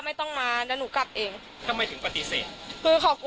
สุดท้ายตัดสินใจเดินทางไปร้องทุกข์การถูกกระทำชำระวจริงและตอนนี้ก็มีภาวะซึมเศร้าด้วยนะครับ